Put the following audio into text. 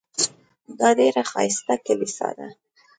دا ډېره ښایسته کلیسا ده.